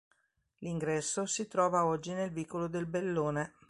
L'ingresso si trova oggi nel vicolo del Bellone.